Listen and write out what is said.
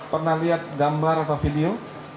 pernah lihat gambar atau video